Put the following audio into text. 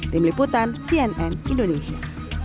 tim liputan cnn indonesia